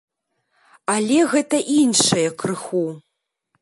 Але гэта іншае крыху.